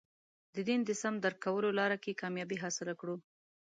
د دین د سم درک کولو لاره کې کامیابي حاصله کړو.